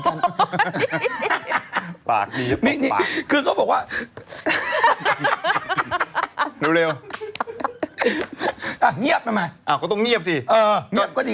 เหมือนเธอเอามินิตอนที่เธอแม่วมาซื้อ